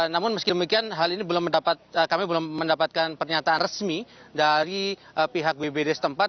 namun meskipun hal ini kami belum mendapatkan pernyataan resmi dari pihak bwd setempat